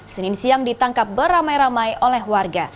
senin siang ditangkap beramai ramai oleh warga